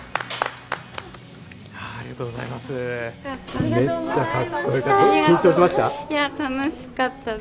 ありがとうございます。